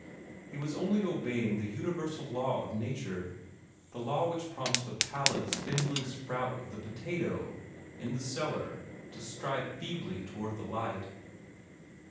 He was only obeying the universal law of nature the law which prompts the pallid spindling sprout of the potato in the cellar to strive feebly toward the light.